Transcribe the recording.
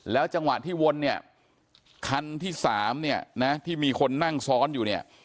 จังหวะที่วนเนี่ยคันที่สามเนี่ยนะที่มีคนนั่งซ้อนอยู่เนี่ย